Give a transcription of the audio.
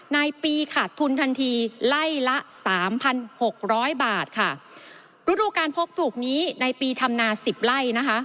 ในปีขาดทุนทันทีไล่ละสามพันหกร้อยบาทค่ะฤดูการพกปลูกนี้ในปีธรรมนาสิบไร่นะคะ